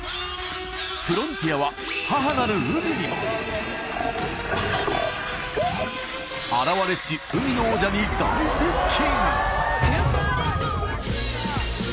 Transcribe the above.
フロンティアは母なる海にも現れし海の王者に大接近！